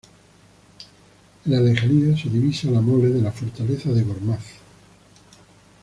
En la lejanía se divisa la mole de la fortaleza de Gormaz.